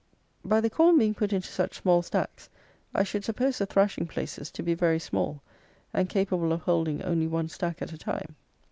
By the corn being put into such small stacks, I should suppose the thrashing places to be very small, and capable of holding only one stack at a time.